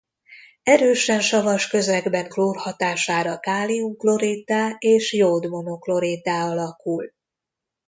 Erősen savas közegben klór hatására kálium-kloriddá és jód-monokloriddá alakul.